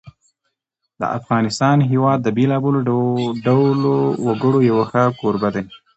د افغانستان هېواد د بېلابېلو ډولو وګړو یو ښه کوربه دی.